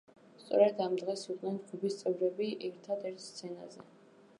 სწორად ამ დღეს იყვნენ ჯგუფის წევრები ერთად ერთ სცენაზე.